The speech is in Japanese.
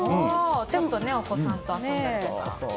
ちょっとお子さんと遊んだりとか。